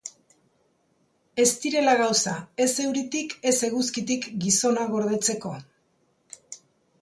Ez direla gauza, ez euritik, ez eguzkitik, gizona gordetzeko.